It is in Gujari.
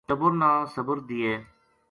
ٹبر نا صبر دیئے